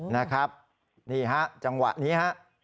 นะครับนี่ฮะจังหวะนี้ฮะ